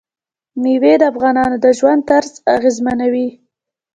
مېوې د افغانانو د ژوند طرز اغېزمنوي.